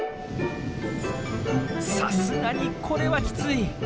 さすがにこれはキツイ！